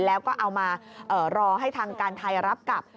แล้วก็เอามารอให้ทางการไทยรับกลับ